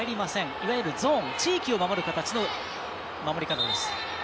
いわゆるゾーン、地域を守る形の守り方です。